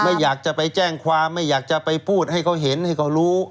ไม่อยากจะไปแจ้งความไม่อยากจะไปพูดให้เขาเห็นให้เขารู้